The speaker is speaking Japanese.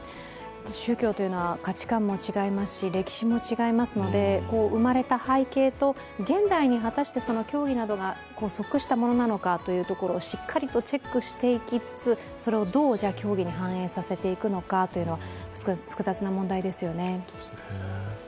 宗教というのは価値観も違いますし、歴史も違いますので、生まれた背景と現代に果たしてその教義などが即したものなのかというところ、しっかりとチェックしていきつつ、それをどう教義に反映させていくのかは複雑な問題ですよね。